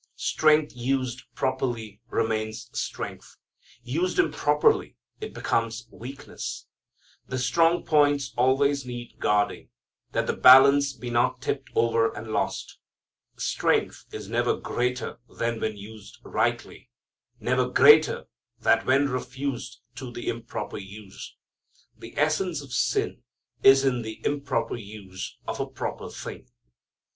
Strength used properly remains strength; used improperly it becomes weakness. The strong points always need guarding, that the balance be not tipped over and lost. Strength is never greater than when used rightly; never greater than when refused to the improper use. The essence of sin is in the improper use of a proper thing.